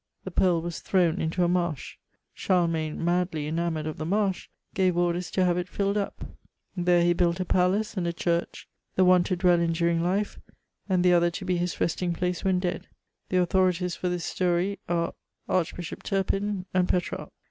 The pearl was thrown into a marsh ; Charlemagne, madly enamoured of the marsh, gave orders to have it filled up ; there he built a palace and a church : the one to dwell in during life, and the other to be his resting place when dead. The authorities for this story are Arch bishop Turpin, and Petrarch.